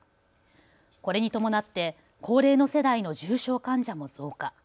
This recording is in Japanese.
これに伴って高齢の世代の重症患者も増加。